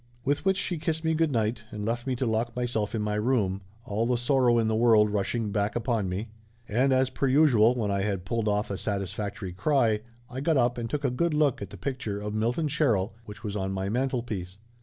With which she kissed me good night and left me to lock myself in my room, all the sorrow in the world rushing back upon me. And as per usual, when I had pulled off a satisfactory cry I got up and took a good look at the picture of Milton Sherrill which was on my mantelpiece.